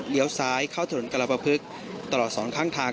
ซ้ายเข้าถนนกรปภึกตลอดสองข้างทาง